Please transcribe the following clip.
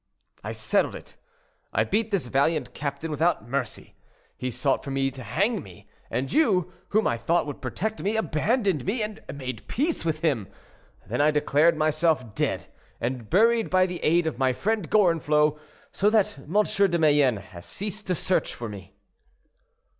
"I settled it; I beat this valiant captain without mercy. He sought for me to hang me; and you, whom I thought would protect me, abandoned me, and made peace with him. Then I declared myself dead and buried by the aid of my friend Gorenflot, so that M. de Mayenne has ceased to search for me."